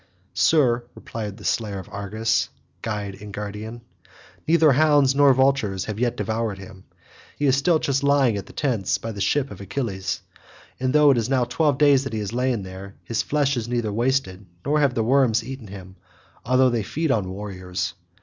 "Sir," replied the slayer of Argus, guide and guardian, "neither hounds nor vultures have yet devoured him; he is still just lying at the tents by the ship of Achilles, and though it is now twelve days that he has lain there, his flesh is not wasted nor have the worms eaten him although they feed on warriors.